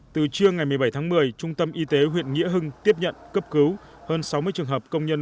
từ trưa ngày một mươi bảy tháng một mươi trung tâm y tế huyện nghĩa hưng tiếp nhận cấp cứu hơn sáu mươi trường hợp công nhân